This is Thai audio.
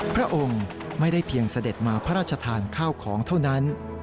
พระองค์ไม่ได้เพียงเสด็จมาพระราชทานข้าวของเท่านั้น